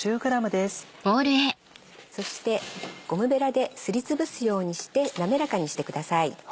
そしてゴムベラですりつぶすようにして滑らかにしてください。